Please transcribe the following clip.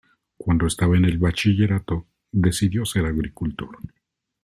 Cuando estaba en el bachillerato, decidió ser agricultor.